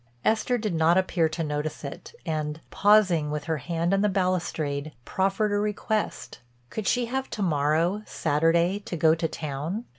Esther did not appear to notice it and, pausing with her hand on the balustrade, proffered a request—could she have to morrow, Saturday, to go to town?